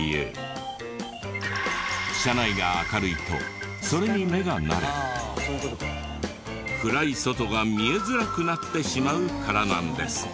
車内が明るいとそれに目が慣れ暗い外が見えづらくなってしまうからなんです。